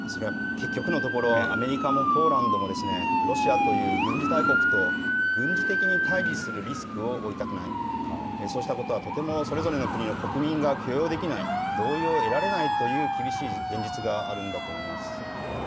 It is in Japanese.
それは結局のところ、アメリカもポーランドも、ロシアという軍事大国と、軍事的に対じするリスクを負いたくない、そうしたことはとても、それぞれの国の国民が許容できない、同意を得られないという厳しい現実があるんだと思います。